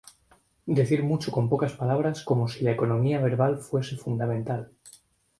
Decir mucho con pocas palabras como si la economía verbal fuese fundamental.